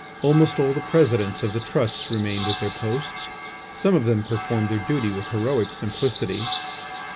Almost all the presidents of the trusts remained at their posts. Some of them performed their duty with heroic simplicity.